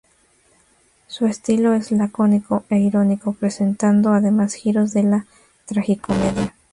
Su estilo es lacónico e irónico, presentando además giros de la tragicomedia.